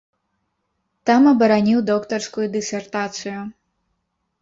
Там абараніў доктарскую дысертацыю.